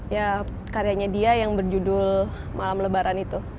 ya karyanya dia yang berjudul malam lebaran itu